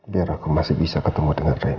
biar aku masih bisa ketemu dengan lain